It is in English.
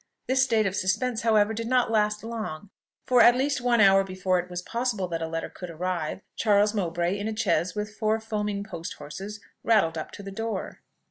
This state of suspense, however, did not last long; for, at least one hour before it was possible that a letter could arrive, Charles Mowbray in a chaise with four foaming post horses rattled up to the door.